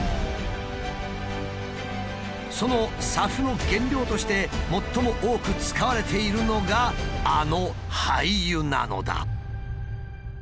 そのＳＡＦの原料として最も多く使われているのがあの廃油なのだ。